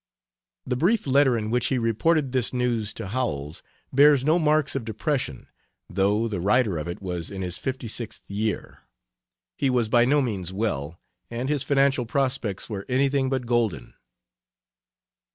The brief letter in which he reported this news to Howells bears no marks of depression, though the writer of it was in his fifty sixth year; he was by no means well, and his financial prospects were anything but golden.